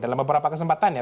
dalam beberapa kesempatan ya